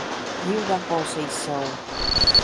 Rio da Conceição